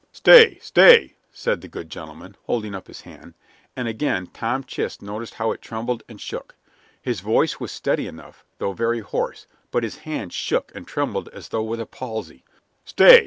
"Stay! stay!" said the good gentleman, holding up his hand; and again Tom Chist noticed how it trembled and shook. His voice was steady enough, though very hoarse, but his hand shook and trembled as though with a palsy. "Stay!